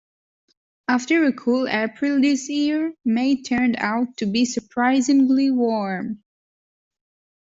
After a cool April this year, May turned out to be surprisingly warm